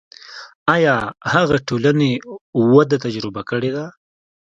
آیا هغه ټولنې وده تجربه کړې ده.